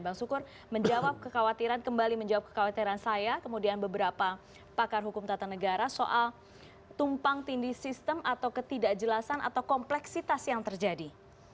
bang sukur menjawab kekhawatiran kembali menjawab kekhawatiran saya kemudian beberapa pakar hukum tata negara soal tumpang tindih sistem atau ketidakjelasan atau kompleksitas yang terjadi